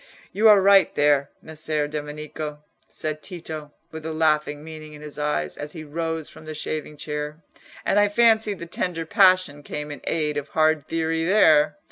"You are right there, Messer Domenico," said Tito, with a laughing meaning in his eyes, as he rose from the shaving chair; "and I fancy the tender passion came in aid of hard theory there.